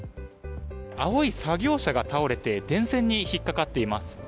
青い作業車が倒れて電線に引っかかっています。